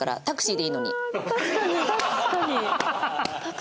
タクシーでいいのに。